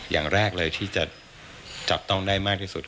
อย่างแรกเลยที่จะจับต้องได้มากที่สุด